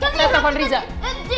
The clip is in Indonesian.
saya telepon rija